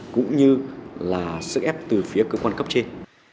cũng như là sức ép từ phía cơ quan cấp trên